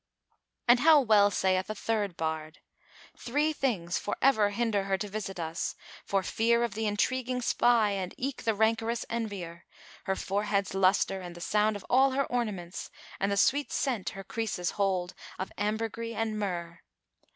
'" And how well saith a third bard,[FN#426] "Three things for ever hinder her to visit us, for fear Of the intriguing spy and eke the rancorous envier; Her forehead's lustre and the sound of all her ornaments And the sweet scent her creases hold of ambergris and myrrh.